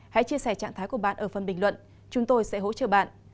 hãy chia sẻ trạng thái của bạn ở phần bình luận chúng tôi sẽ hỗ trợ bạn